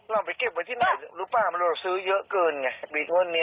เราไปเก็บไว้ที่ไหนรู้ป่าวมันเราซื้อเยอะเกินไงปีทวนเนี่ย